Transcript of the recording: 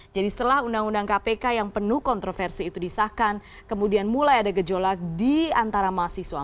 jadi setelah undang undang kpk yang penuh kontroversi itu disahkan kemudian mulai ada gejolak di antara mahasiswa